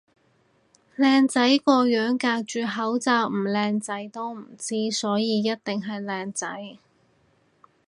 靚仔個樣隔住口罩唔靚仔都唔知，所以一定係靚仔